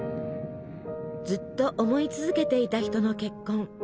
ずっと思い続けていた人の結婚。